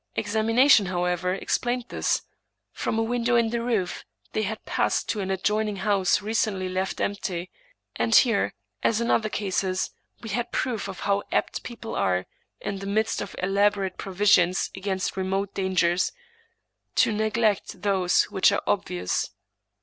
Examination, however, ex plained this: from a window in the roof they had passed to an adjoining house recently left empty; and here, as in other cases, we had proof how apt people are, in the midst of elaborate provisions against remote dangers, to neglect those which are obvious.